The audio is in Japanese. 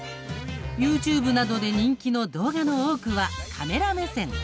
ＹｏｕＴｕｂｅなどで人気の動画の多くはカメラ目線。